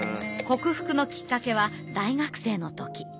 克服のきっかけは大学生の時。